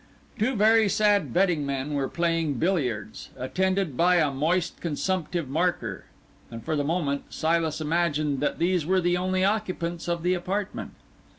Two very sad betting men were playing billiards, attended by a moist, consumptive marker; and for the moment Silas imagined that these were the only occupants of the apartment.